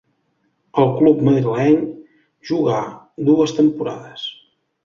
Al club madrileny jugà dues temporades.